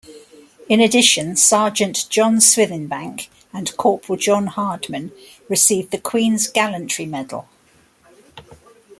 In addition, Sergeant John Swithenbank and Corporal John Hardman received the Queen's Gallantry Medal.